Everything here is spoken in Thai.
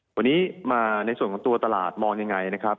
วันนี้มาในส่วนของตัวตลาดมองยังไงนะครับ